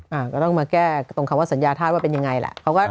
อ่าก็ต้องมาแก้ตรงคำว่าสัญญาธาตุว่าเป็นยังไงแหละ